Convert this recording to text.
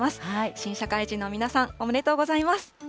新社会人の皆さん、おめでとうございます。